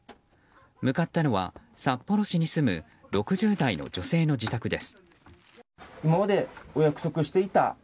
向かったのは札幌市に住む６０代の女性の自宅です。